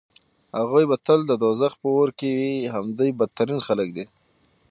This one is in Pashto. هغوی به تل د دوزخ په اور کې وي همدوی بدترين خلک دي